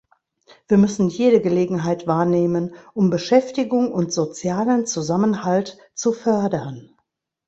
Wir müssen jede Gelegenheit wahrnehmen, um Beschäftigung und sozialen Zusammenhalt zu fördern.